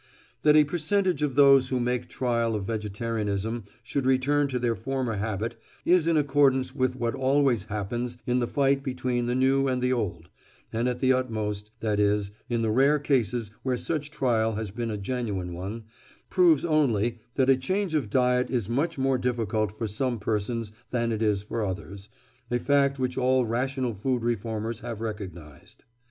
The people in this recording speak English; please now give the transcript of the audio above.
That a percentage of those who make trial of vegetarianism should return to their former habit is in accordance with what always happens in the fight between the new and the old, and at the utmost—that is, in the rare cases where such trial has been a genuine one—proves only that a change of diet is much more difficult for some persons than it is for others, a fact which all rational food reformers have recognised.